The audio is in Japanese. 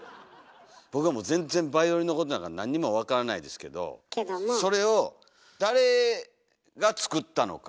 僕はもう全然バイオリンのことなんか何にも分からないですけどそれを誰が作ったのか。